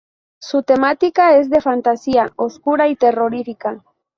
Su temática es de fantasía oscura y terrorífica.